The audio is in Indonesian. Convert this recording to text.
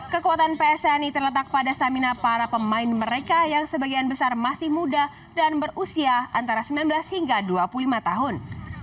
kekuatan pssi terletak pada stamina para pemain mereka yang sebagian besar masih muda dan berusia antara sembilan belas hingga dua puluh lima tahun